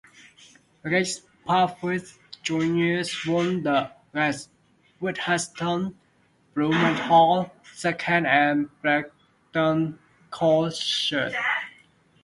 Rick Parfitt Junior won the race, with Heston Blumenthal second and Brendan Cole third.